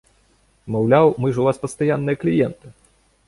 Маўляў, мы ж у вас пастаянныя кліенты!